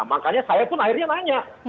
makanya saya pun akhirnya nanya